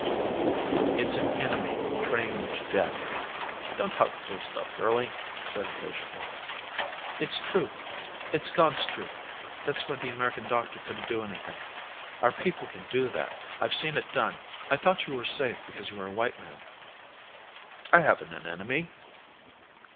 "It's an enemy praying you to death." "Don't talk fool stuff, girlie," he said impatiently. "It's truth. It's God's truth. That's why the American doctor couldn't do anything. Our people can do that. I've seen it done. I thought you were safe because you were a white man." "I haven't an enemy."